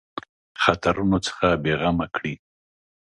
خطرونو څخه بېغمه کړي.